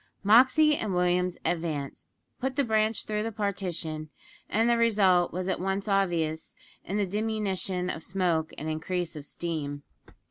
Moxey and Williams advanced, put the branch through the partition, and the result was at once obvious in the diminution of smoke and increase of steam.